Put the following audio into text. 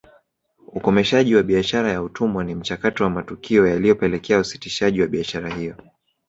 Ukomeshaji wa biashara ya utumwa ni mchakato wa matukio yaliyopelekea usitishaji wa biashara hiyo